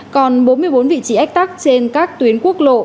còn bốn mươi bốn vị trí ách tắc trên các tuyến quốc lộ